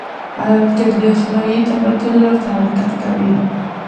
راکټ د خلایي تمدنونو لور ته حرکت کوي